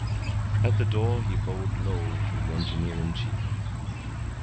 At the door he bowed low to the engineer in chief.